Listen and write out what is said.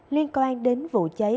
liên quan đến vụ cháy